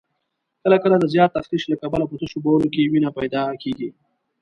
کله کله د زیات تخریش له کبله په تشو بولو کې وینه پیدا کېږي.